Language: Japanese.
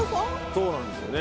そうなんですよね。